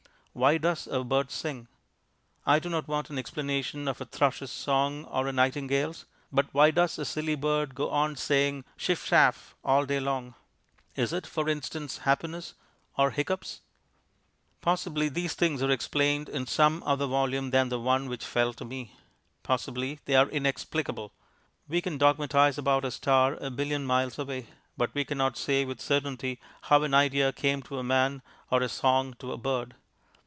Why does a bird sing? I do not want an explanation of a thrush's song or a nightingale's, but why does a silly bird go on saying "chiff chaff" all day long? Is it, for instance, happiness or hiccups? Possibly these things are explained in some other volume than the one which fell to me. Possibly they are inexplicable. We can dogmatize about a star a billion miles away, but we cannot say with certainty how an idea came to a man or a song to a bird.